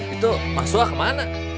itu maksuah kemana